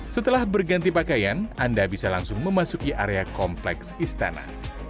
setelah berganti pakaian anda bisa langsung memasuki area kompleks istana